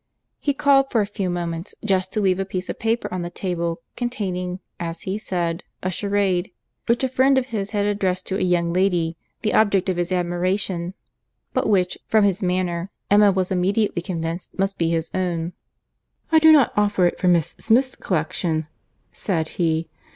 He called for a few moments, just to leave a piece of paper on the table containing, as he said, a charade, which a friend of his had addressed to a young lady, the object of his admiration, but which, from his manner, Emma was immediately convinced must be his own. "I do not offer it for Miss Smith's collection," said he.